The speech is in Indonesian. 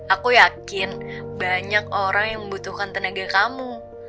aku yakin banyak orang yang membutuhkan tenaga kamu